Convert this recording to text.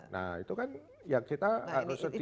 nah itu kan yang kita harus sediakan